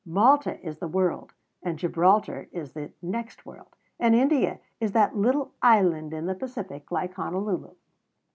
Malta is the world. And Gibraltar is the "next world." And India is that little island in the Pacific like Honolulu.